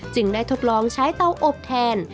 ได้ทดลองใช้เตาอบแทน